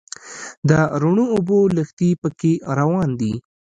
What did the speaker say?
د رڼو اوبو لښتي په کې روان دي.